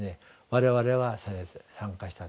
我々は参加した。